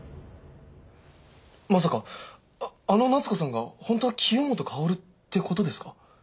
まさかあの夏子さんがホントは清本薫ってことですか？